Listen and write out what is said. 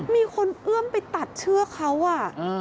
มีคนเอื้อมไปตัดเชือกเขาอ่ะ